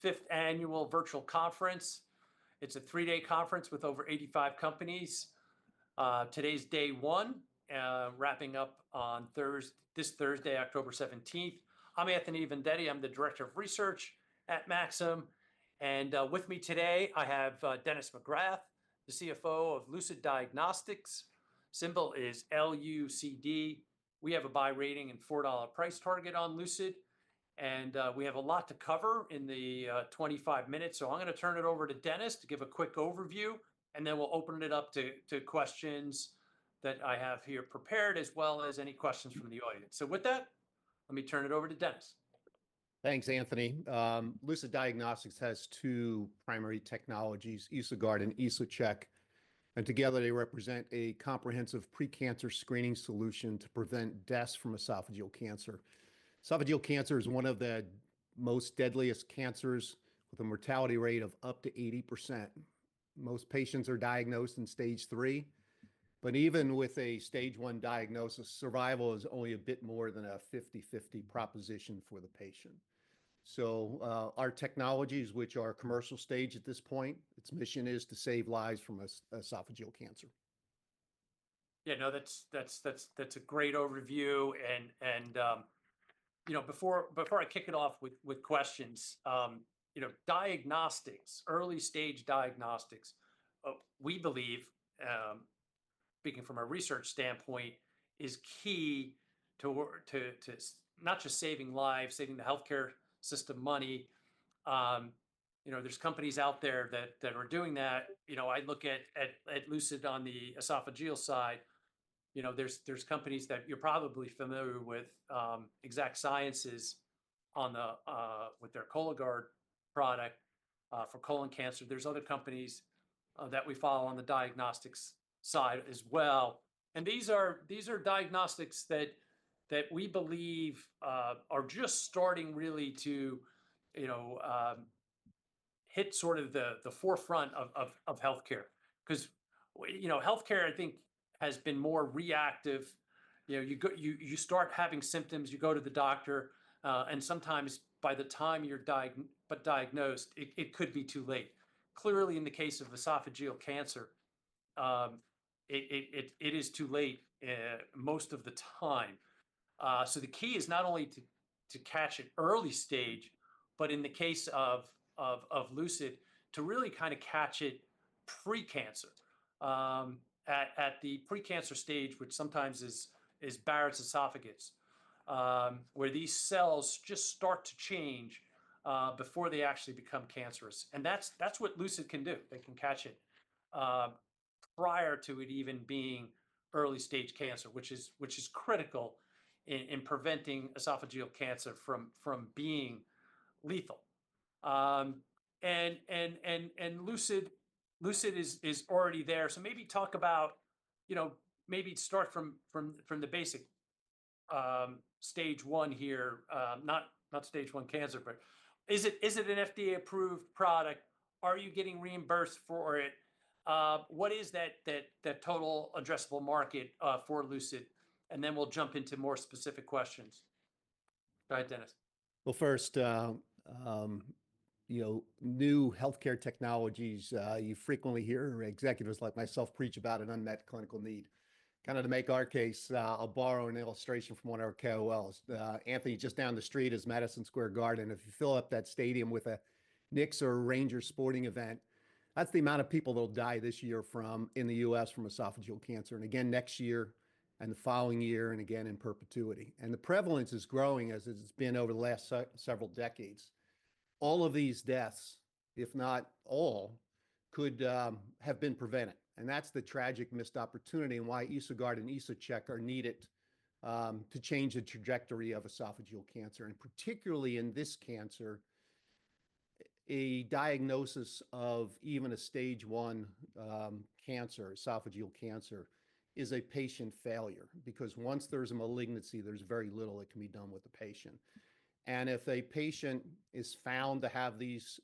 Fifth annual virtual conference. It's a three-day conference with over 85 companies. Today's day one, wrapping up on this Thursday, October 17th. I'm Anthony Vendetti. I'm the director of research at Maxim, and with me today, I have Dennis McGrath, the CFO of Lucid Diagnostics. Symbol is LUCD. We have a buy rating and $4 price target on Lucid, and we have a lot to cover in the 25 minutes. So I'm gonna turn it over to Dennis to give a quick overview, and then we'll open it up to questions that I have here prepared, as well as any questions from the audience. So with that, let me turn it over to Dennis. Thanks, Anthony. Lucid Diagnostics has two primary technologies, EsoGuard and EsoCheck, and together they represent a comprehensive pre-cancer screening solution to prevent deaths from esophageal cancer. Esophageal cancer is one of the most deadliest cancers, with a mortality rate of up to 80%. Most patients are diagnosed in stage three, but even with a stage one diagnosis, survival is only a bit more than a 50-50 proposition for the patient. So, our technologies, which are commercial stage at this point, its mission is to save lives from esophageal cancer. Yeah, no, that's a great overview, and, you know, before I kick it off with questions, you know, diagnostics, early stage diagnostics, we believe, speaking from a research standpoint, is key to saving not just lives, but saving the healthcare system money. You know, there's companies out there that are doing that. You know, I look at Lucid on the esophageal side, you know, there's companies that you're probably familiar with, Exact Sciences with their Cologuard product for colon cancer. There's other companies that we follow on the diagnostics side as well, and these are diagnostics that we believe are just starting really to hit sort of the forefront of healthcare. 'Cause you know, healthcare, I think, has been more reactive. You know, you start having symptoms, you go to the doctor, and sometimes by the time you're diagnosed, it is too late most of the time. So the key is not only to catch it early stage, but in the case of Lucid, to really kind of catch it pre-cancer at the pre-cancer stage, which sometimes is Barrett's esophagus, where these cells just start to change before they actually become cancerous, and that's what Lucid can do. They can catch it prior to it even being early stage cancer, which is critical in preventing esophageal cancer from being lethal. And Lucid is already there, so maybe talk about... You know, maybe start from the basic stage one here. Not stage one cancer, but is it an FDA-approved product? Are you getting reimbursed for it? What is that total addressable market for Lucid? And then we'll jump into more specific questions. Go ahead, Dennis. First, you know, new healthcare technologies, you frequently hear executives like myself preach about an unmet clinical need. Kind of to make our case, I'll borrow an illustration from one of our KOLs. Anthony, just down the street is Madison Square Garden. If you fill up that stadium with a Knicks or a Rangers sporting event, that's the amount of people that'll die this year from, in the U.S., from esophageal cancer, and again, next year, and the following year, and again, in perpetuity. The prevalence is growing, as it's been over the last several decades. All of these deaths, if not all, could have been prevented, and that's the tragic missed opportunity and why EsoGuard and EsoCheck are needed to change the trajectory of esophageal cancer. Particularly in this cancer, a diagnosis of even a stage one cancer, esophageal cancer, is a patient failure because once there's a malignancy, there's very little that can be done with the patient. If a patient is found to have these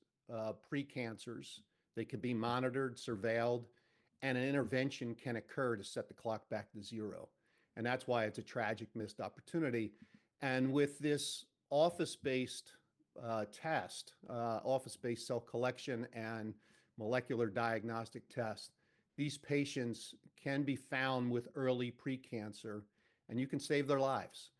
pre-cancers, they can be monitored, surveilled, and an intervention can occur to set the clock back to zero, and that's why it's a tragic missed opportunity. With this office-based cell collection and molecular diagnostic test, these patients can be found with early pre-cancer, and you can save their lives.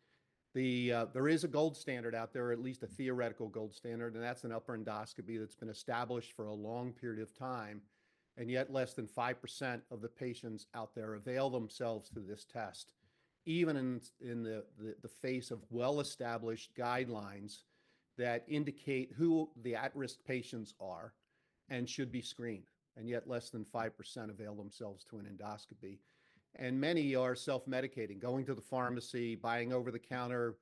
There is a gold standard out there, at least a theoretical gold standard, and that's an upper endoscopy that's been established for a long period of time, and yet less than 5% of the patients out there avail themselves to this test, even in the face of well-established guidelines that indicate who the at-risk patients are and should be screened, and yet less than 5% avail themselves to an endoscopy. And many are self-medicating, going to the pharmacy, buying over-the-counter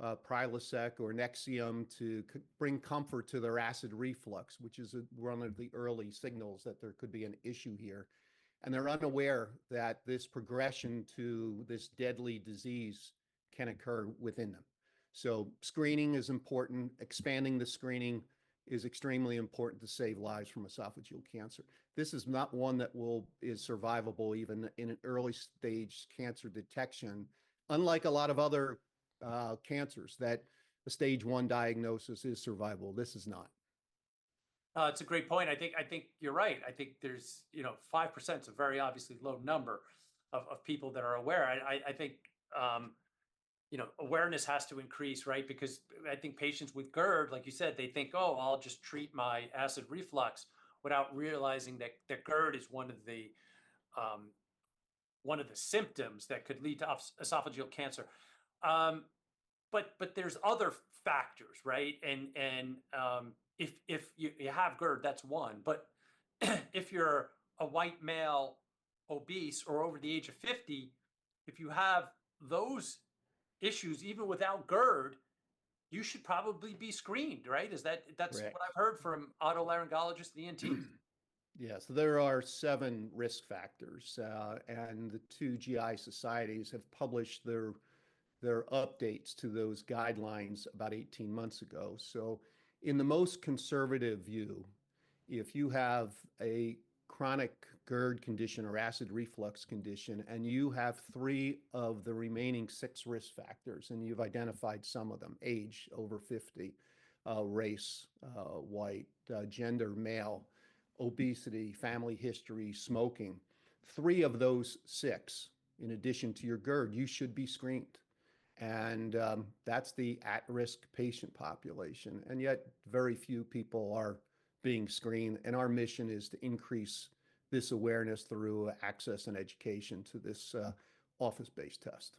Prilosec or Nexium to bring comfort to their acid reflux, which is one of the early signals that there could be an issue here. And they're unaware that this progression to this deadly disease can occur within them. So screening is important. Expanding the screening is extremely important to save lives from esophageal cancer. This is not one that is survivable even in an early stage cancer detection, unlike a lot of other cancers, that the stage one diagnosis is survivable. This is not.... It's a great point. I think you're right. I think there's, you know, 5% is a very obviously low number of people that are aware. I think, you know, awareness has to increase, right? Because I think patients with GERD, like you said, they think, "Oh, I'll just treat my acid reflux," without realizing that GERD is one of the symptoms that could lead to esophageal cancer. But there's other factors, right? And if you have GERD, that's one, but if you're a white male, obese, or over the age of 50, if you have those issues, even without GERD, you should probably be screened, right? Is that- Right. That's what I've heard from otolaryngologists and ENTs. Yes, there are seven risk factors, and the two GI societies have published their updates to those guidelines about 18 months ago. So in the most conservative view, if you have a chronic GERD condition or acid reflux condition, and you have three of the remaining six risk factors, and you've identified some of them: age over 50, race, white, gender, male, obesity, family history, smoking. Three of those six, in addition to your GERD, you should be screened, and that's the at-risk patient population, and yet, very few people are being screened. And our mission is to increase this awareness through access and education to this, office-based test.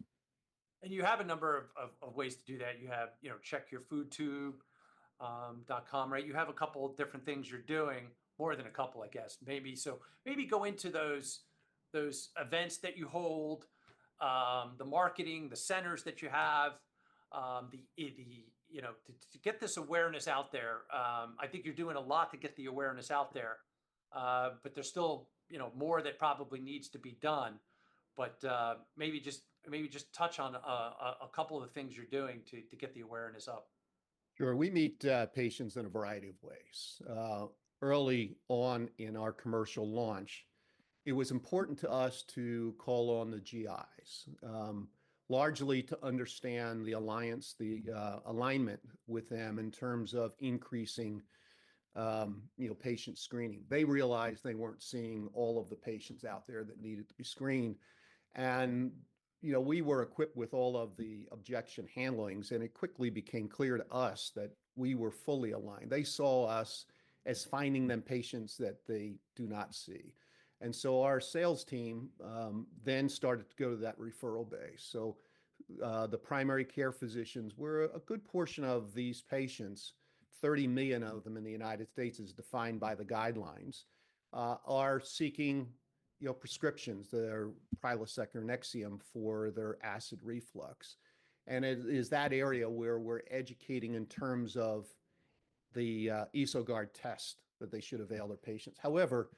And you have a number of ways to do that. You have, you know, CheckYourFoodTube.com, right? You have a couple of different things you're doing, more than a couple, I guess, maybe. So maybe go into those events that you hold, the marketing, the centers that you have, you know, to get this awareness out there. I think you're doing a lot to get the awareness out there, but there's still, you know, more that probably needs to be done. But, maybe just touch on a couple of the things you're doing to get the awareness up. Sure. We meet patients in a variety of ways. Early on in our commercial launch, it was important to us to call on the GIs largely to understand the alliance the alignment with them in terms of increasing you know patient screening. They realized they weren't seeing all of the patients out there that needed to be screened, and you know we were equipped with all of the objection handlings, and it quickly became clear to us that we were fully aligned. They saw us as finding them patients that they do not see. And so our sales team then started to go to that referral base. So, the primary care physicians, where a good portion of these patients, thirty million of them in the United States, as defined by the guidelines, are seeking, you know, prescriptions, their Prilosec or Nexium, for their acid reflux, and it is that area where we're educating in terms of the EsoGuard test that they should avail their patients. However,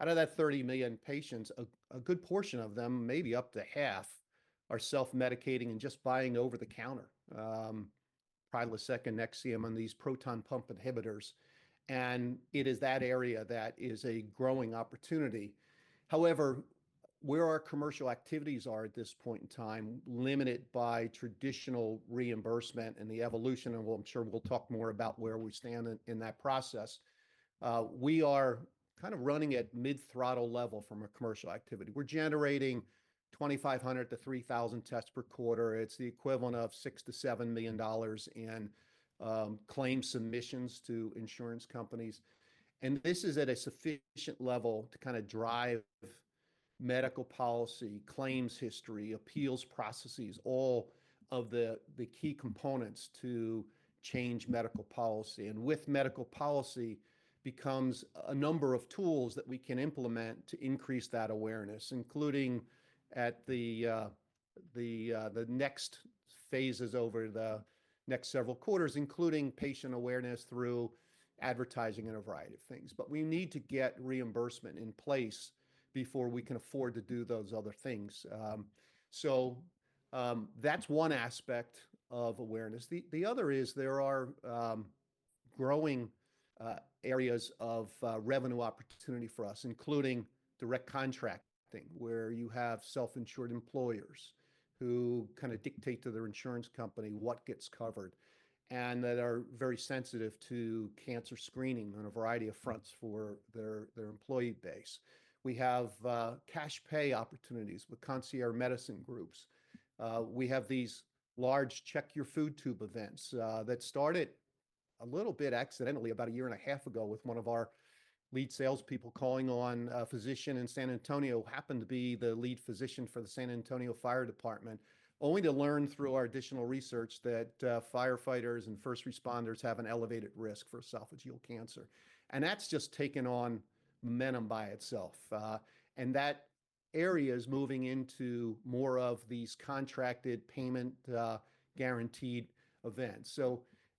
out of that thirty million patients, a good portion of them, maybe up to half, are self-medicating and just buying over the counter Prilosec and Nexium and these proton pump inhibitors, and it is that area that is a growing opportunity. However, where our commercial activities are at this point in time, limited by traditional reimbursement and the evolution, and we'll. I'm sure we'll talk more about where we stand in that process. We are kind of running at mid-throttle level from a commercial activity. We're generating 2,500 tests-3,000 tests per quarter. It's the equivalent of $6 million-$7 million in claim submissions to insurance companies, and this is at a sufficient level to kinda drive medical policy, claims history, appeals processes, all of the key components to change medical policy, and with medical policy becomes a number of tools that we can implement to increase that awareness, including at the next phases over the next several quarters, including patient awareness through advertising and a variety of things, but we need to get reimbursement in place before we can afford to do those other things, so that's one aspect of awareness. The other is, there are growing areas of revenue opportunity for us, including direct contracting, where you have self-insured employers who kinda dictate to their insurance company what gets covered, and that are very sensitive to cancer screening on a variety of fronts for their employee base. We have cash pay opportunities with concierge medicine groups. We have these large CheckYour FoodTube events that started a little bit accidentally about a year and a half ago with one of our lead salespeople calling on a physician in San Antonio, happened to be the lead physician for the San Antonio Fire Department, only to learn through our additional research that firefighters and first responders have an elevated risk for esophageal cancer, and that's just taken on momentum by itself. And that area is moving into more of these contracted payment, guaranteed events.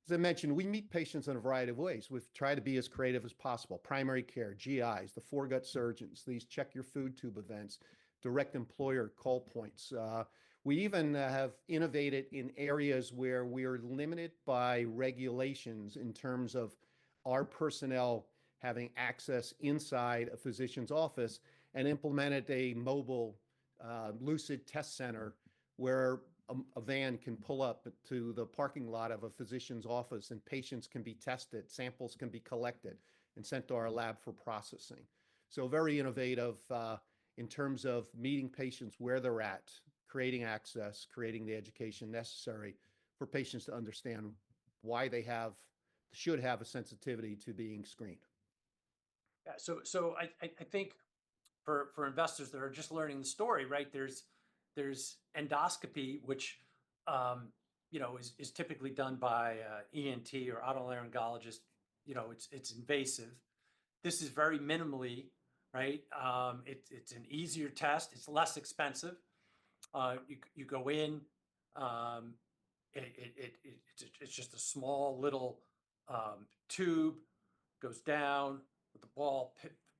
As I mentioned, we meet patients in a variety of ways. We've tried to be as creative as possible, primary care, GIs, the foregut surgeons, these Check Your Food Tube events, direct employer call points. We even have innovated in areas where we're limited by regulations in terms of our personnel having access inside a physician's office and implemented a mobile Lucid test center, where a van can pull up to the parking lot of a physician's office, and patients can be tested, samples can be collected and sent to our lab for processing. Very innovative in terms of meeting patients where they're at, creating access, creating the education necessary for patients to understand why they should have a sensitivity to being screened. Yeah. So I think for investors that are just learning the story, right? There's endoscopy, which, you know, is typically done by ENT or otolaryngologist, you know, it's invasive. This is very minimally, right? It's an easier test, it's less expensive. You go in, it's just a small little tube, goes down, with a ball,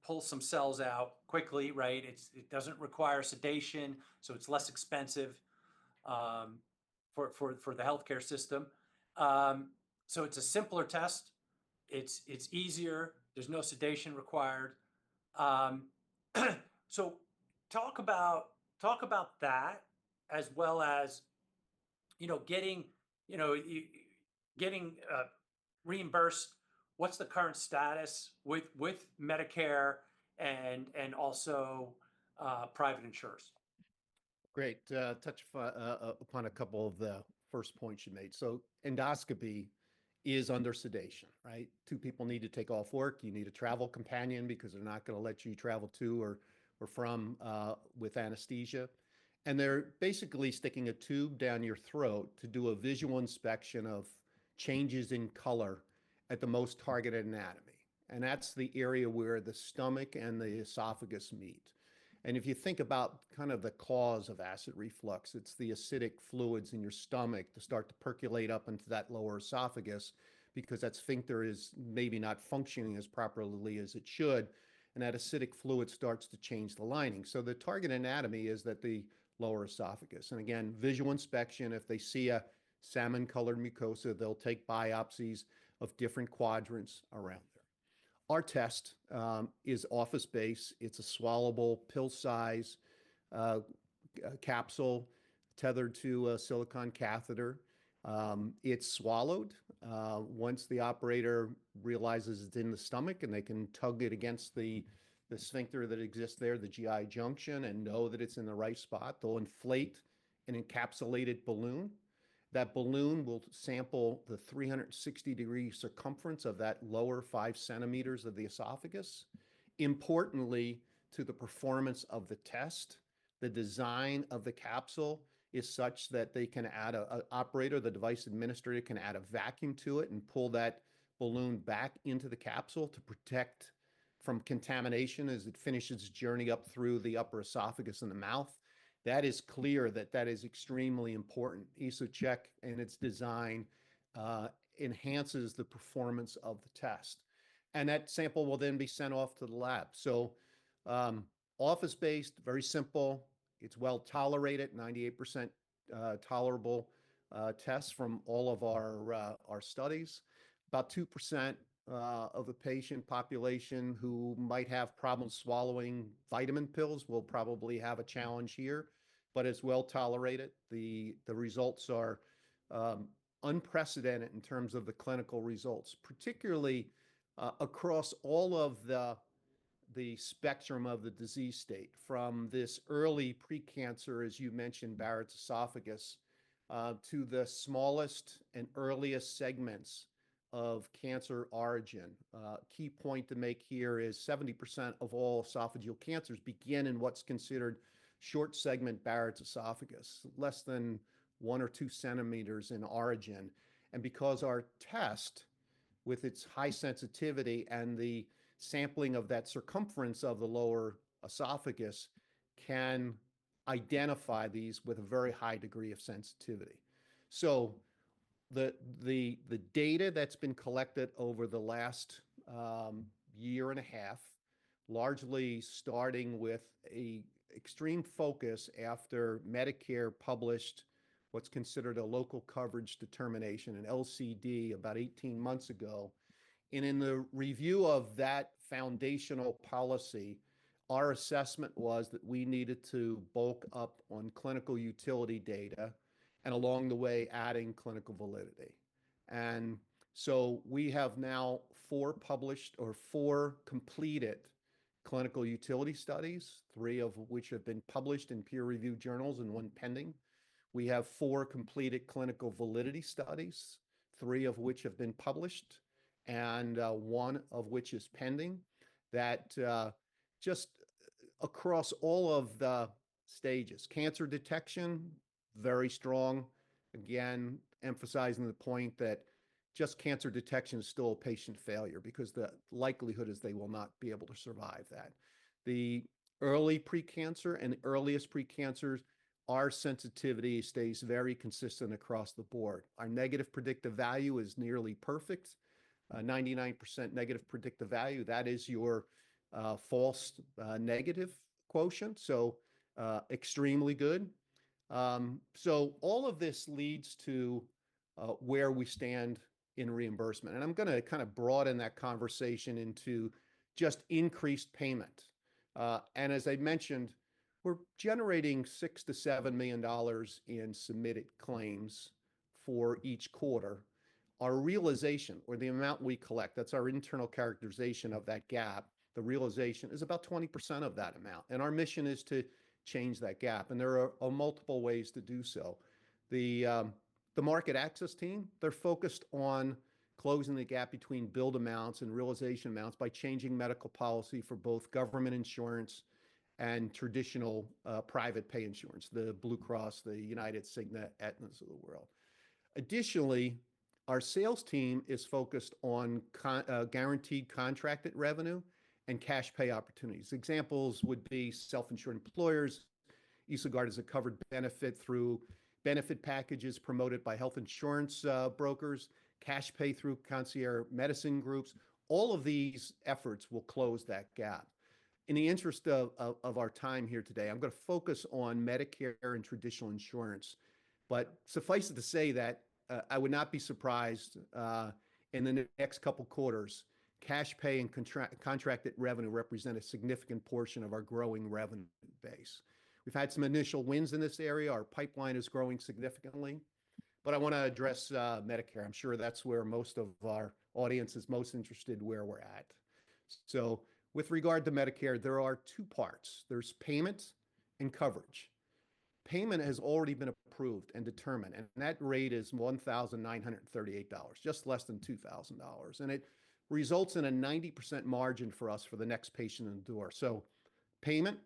pulls some cells out quickly, right? It doesn't require sedation, so it's less expensive for the healthcare system. So it's a simpler test. It's easier. There's no sedation required. So talk about that, as well as, you know, getting reimbursed. What's the current status with Medicare and also private insurers? Great. Touch upon a couple of the first points you made. So endoscopy is under sedation, right? Two, people need to take off work. You need a travel companion because they're not gonna let you travel to or from with anesthesia. And they're basically sticking a tube down your throat to do a visual inspection of changes in color at the most targeted anatomy, and that's the area where the stomach and the esophagus meet. And if you think about kind of the cause of acid reflux, it's the acidic fluids in your stomach to start to percolate up into that lower esophagus because that sphincter is maybe not functioning as properly as it should, and that acidic fluid starts to change the lining. So the target anatomy is the lower esophagus, and again, visual inspection, if they see a salmon-colored mucosa, they'll take biopsies of different quadrants around there. Our test is office-based. It's a swallowable pill size capsule, tethered to a silicone catheter. It's swallowed. Once the operator realizes it's in the stomach, and they can tug it against the sphincter that exists there, the GE junction, and know that it's in the right spot, they'll inflate an encapsulated balloon. That balloon will sample the 360-degree circumference of that lower 5 cm of the esophagus. Importantly, to the performance of the test, the design of the capsule is such that they can add... An operator, the device administrator, can add a vacuum to it and pull that balloon back into the capsule to protect from contamination as it finishes its journey up through the upper esophagus and the mouth. That is clear that is extremely important. EsoCheck and its design enhances the performance of the test, and that sample will then be sent off to the lab, so office-based, very simple. It's well-tolerated, 98% tolerable tests from all of our studies. About 2% of the patient population who might have problems swallowing vitamin pills will probably have a challenge here, but it's well-tolerated. The results are unprecedented in terms of the clinical results, particularly across all of the spectrum of the disease state, from this early pre-cancer, as you mentioned, Barrett's esophagus, to the smallest and earliest segments of cancer origin. Key point to make here is 70% of all esophageal cancers begin in what's considered short segment Barrett's esophagus, less than one or two centimeters in origin. Because our test, with its high sensitivity and the sampling of that circumference of the lower esophagus, can identify these with a very high degree of sensitivity. The data that's been collected over the last year and a half, largely starting with an extreme focus after Medicare published what's considered a Local Coverage Determination, an LCD, about 18 months ago. And in the review of that foundational policy, our assessment was that we needed to bulk up on clinical utility data and along the way, adding clinical validity. And so we have now four published or four completed clinical utility studies, three of which have been published in peer-reviewed journals and one pending. We have four completed clinical validity studies, three of which have been published, and one of which is pending. That across all of the stages, cancer detection, very strong. Again, emphasizing the point that just cancer detection is still a patient failure because the likelihood is they will not be able to survive that. The early pre-cancer and earliest pre-cancers, our sensitivity stays very consistent across the board. Our negative predictive value is nearly perfect. 99% negative predictive value, that is your false negative quotient, so extremely good. So all of this leads to where we stand in reimbursement, and I'm gonna kinda broaden that conversation into just increased payment. And as I mentioned, we're generating $6 million-$7 million in submitted claims for each quarter. Our realization or the amount we collect, that's our internal characterization of that gap, the realization is about 20% of that amount, and our mission is to change that gap, and there are multiple ways to do so. The market access team, they're focused on closing the gap between billed amounts and realization amounts by changing medical policy for both government insurance and traditional private pay insurance, the Blue Cross, the United, Cigna, Aetnas of the world. Additionally, our sales team is focused on contracted guaranteed revenue and cash pay opportunities. Examples would be self-insured employers, EsoGuard as a covered benefit through benefit packages promoted by health insurance brokers, cash pay through concierge medicine groups. All of these efforts will close that gap. In the interest of our time here today, I'm gonna focus on Medicare and traditional insurance. But suffice it to say that I would not be surprised in the next couple quarters, cash pay and contracted revenue represent a significant portion of our growing revenue base. We've had some initial wins in this area. Our pipeline is growing significantly, but I wanna address Medicare. I'm sure that's where most of our audience is most interested where we're at. So with regard to Medicare, there are two parts: there's payment and coverage. Payment has already been approved and determined, and that rate is $1,938, just less than $2,000, and it results in a 90% margin for us for the next patient in the door. So payment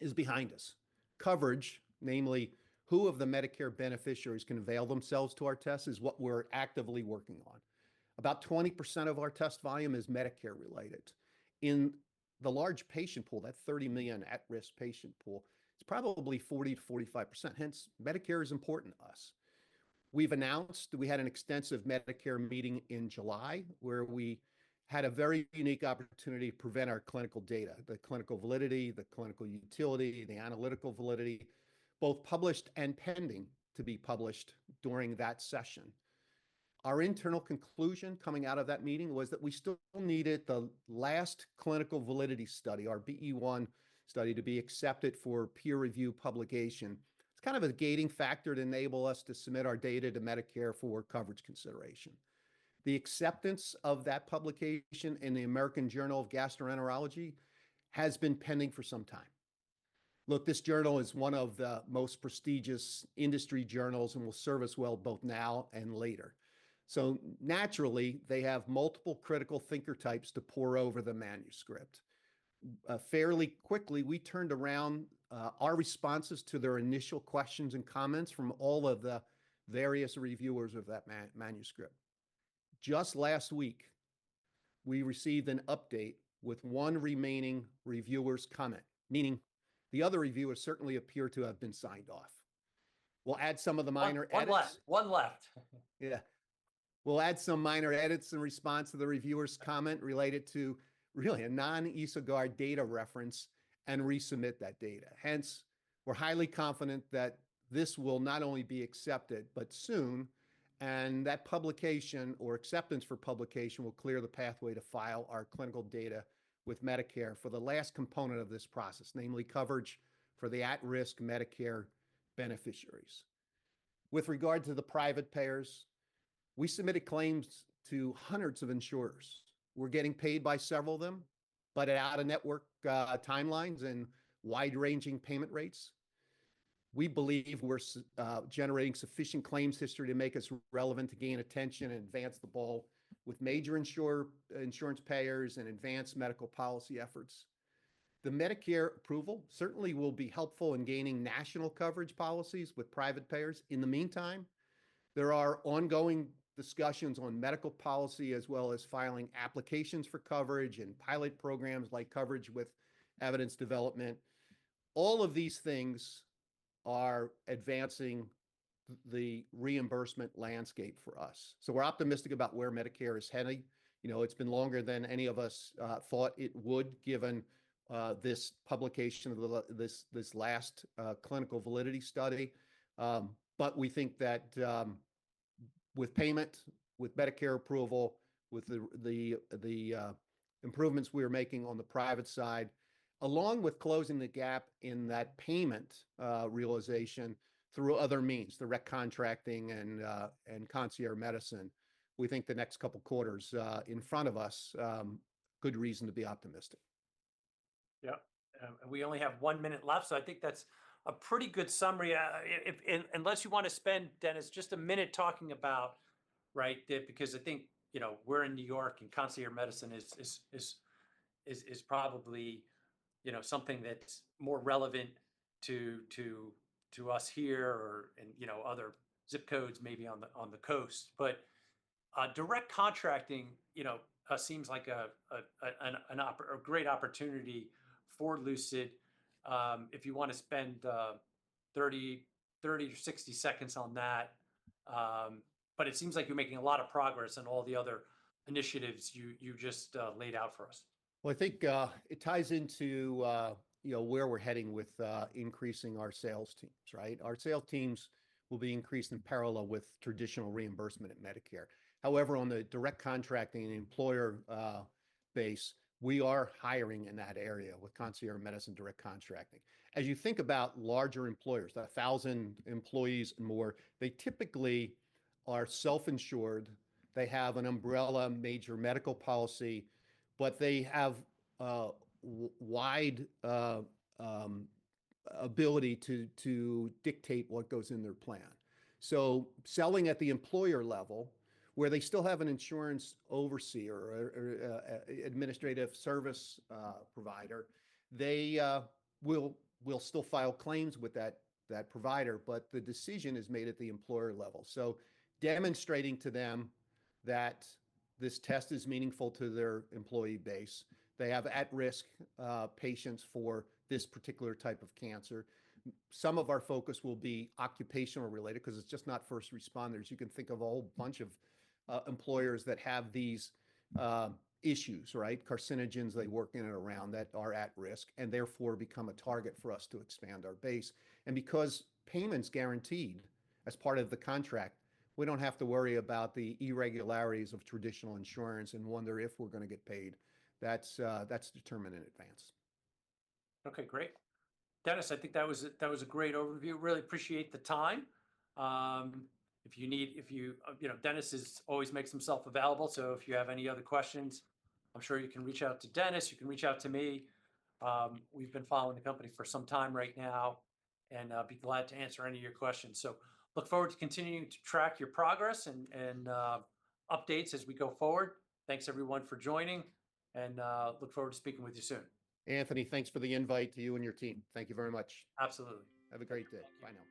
is behind us. Coverage, namely, who of the Medicare beneficiaries can avail themselves to our test, is what we're actively working on. About 20% of our test volume is Medicare related. In the large patient pool, that 30 million at-risk patient pool, it's probably 40%-45%. Hence, Medicare is important to us. We've announced that we had an extensive Medicare meeting in July, where we had a very unique opportunity to present our clinical data, the clinical validity, the clinical utility, the analytical validity, both published and pending to be published during that session. Our internal conclusion coming out of that meeting was that we still needed the last clinical validity study, our BE-1 study, to be accepted for peer review publication. It's kind of a gating factor to enable us to submit our data to Medicare for coverage consideration. The acceptance of that publication in the American Journal of Gastroenterology has been pending for some time. Look, this journal is one of the most prestigious industry journals and will serve us well both now and later. So naturally, they have multiple critical thinker types to pore over the manuscript. Fairly quickly, we turned around our responses to their initial questions and comments from all of the various reviewers of that manuscript. Just last week, we received an update with one remaining reviewer's comment, meaning the other reviewers certainly appear to have been signed off. We'll add some of the minor edits- One left. One left. Yeah. We'll add some minor edits in response to the reviewer's comment related to really a non-EsoGuard data reference, and resubmit that data. Hence, we're highly confident that this will not only be accepted, but soon, and that publication or acceptance for publication will clear the pathway to file our clinical data with Medicare for the last component of this process, namely, coverage for the at-risk Medicare beneficiaries. With regard to the private payers, we submitted claims to hundreds of insurers. We're getting paid by several of them, but at out-of-network timelines and wide-ranging payment rates. We believe we're generating sufficient claims history to make us relevant, to gain attention, and advance the ball with major insurance payers and advanced medical policy efforts. The Medicare approval certainly will be helpful in gaining national coverage policies with private payers. In the meantime, there are ongoing discussions on medical policy as well as filing applications for coverage and pilot programs like Coverage with Evidence Development. All of these things are advancing the reimbursement landscape for us, so we're optimistic about where Medicare is heading. You know, it's been longer than any of us thought it would, given this publication of the last clinical validity study. But we think that with payment, with Medicare approval, with the improvements we are making on the private side, along with closing the gap in that payment realization through other means, direct contracting and concierge medicine, we think the next couple quarters in front of us good reason to be optimistic. Yep, and we only have one minute left, so I think that's a pretty good summary, unless you wanna spend, Dennis, just a minute talking about, right? That because I think, you know, we're in New York, and concierge medicine is probably, you know, something that's more relevant to us here or, and, you know, other zip codes maybe on the coast. But, direct contracting, you know, seems like a great opportunity for Lucid. If you wanna spend 30 to 60 seconds on that? But it seems like you're making a lot of progress on all the other initiatives you just laid out for us. Well, I think it ties into you know where we're heading with increasing our sales teams, right? Our sales teams will be increased in parallel with traditional reimbursement at Medicare. However, on the direct contracting and employer base, we are hiring in that area with concierge medicine direct contracting. As you think about larger employers, a thousand employees and more, they typically are self-insured. They have an umbrella major medical policy, but they have wide ability to dictate what goes in their plan. So selling at the employer level, where they still have an insurance overseer or a administrative service provider, they will still file claims with that provider, but the decision is made at the employer level. So demonstrating to them that this test is meaningful to their employee base, they have at-risk patients for this particular type of cancer. Some of our focus will be occupational related, 'cause it's just not first responders. You can think of a whole bunch of employers that have these issues, right? Carcinogens they work in and around that are at risk, and therefore, become a target for us to expand our base. And because payment's guaranteed as part of the contract, we don't have to worry about the irregularities of traditional insurance and wonder if we're gonna get paid. That's determined in advance. Okay, great. Dennis, I think that was a great overview. Really appreciate the time. You know, Dennis always makes himself available, so if you have any other questions, I'm sure you can reach out to Dennis, you can reach out to me. We've been following the company for some time right now, and be glad to answer any of your questions. So look forward to continuing to track your progress and updates as we go forward. Thanks, everyone, for joining, and look forward to speaking with you soon. Anthony, thanks for the invite to you and your team. Thank you very much. Absolutely. Have a great day. Bye now.